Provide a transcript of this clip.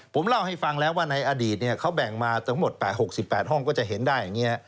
ผมเล่าให้ฟังแล้วว่าในอดีตเขาแบ่งมาทั้งหมด๘๖๘ห้องก็จะเห็นได้อย่างนี้